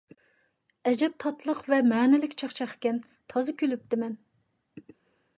ئەجەب تاتلىق ۋە مەنىلىك چاقچاقكەن! تازا كۈلۈپتىمەن.